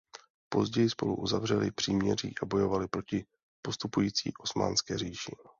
Později spolu uzavřeli příměří a bojovali proti postupující Osmanské říši.